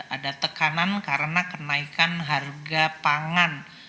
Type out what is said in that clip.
ada tekanan karena kenaikan harga pangan